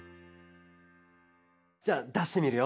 じゃあだしてみるよ。